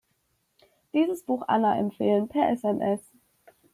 Dieses Buch Anna empfehlen, per SMS.